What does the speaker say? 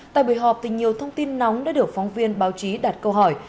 tại buổi họp nhiều thông tin nóng đã được phóng viên báo chí đặt câu hỏi